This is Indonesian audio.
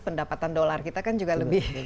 pendapatan dolar kita kan juga lebih